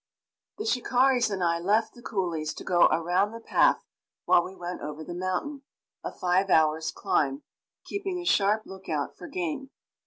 The shikaris and I left the coolies to go around the path while we went over the mountain, a five hours' climb, keeping a sharp lookout for game.